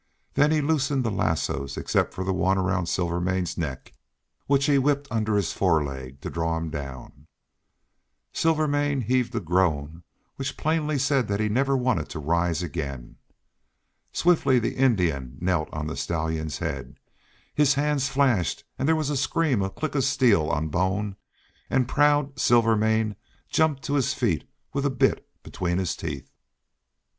Then he loosed the lassoes except the one around Silvermane's neck, which he whipped under his foreleg to draw him down. Silvermane heaved a groan which plainly said he never wanted to rise again. Swiftly the Indian knelt on the stallion's head; his hands flashed; there was a scream, a click of steel on bone; and proud Silvermane jumped to his feet with a bit between his teeth.